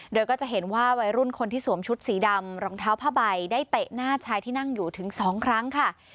โดยก็จะเห็นว่าวัยรุ่นคนที่สวมชุดสีดำรองเท้าผ้าใบได้เตะหน้าชายที่นั่งอยู่ถึง๒ครั้งค่ะ